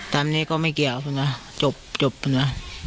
ตามนี้ก็ไม่เกี่ยวนะจบนะ